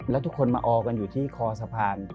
แล้วทุกคนมาออกันอยู่ที่คอสะพาน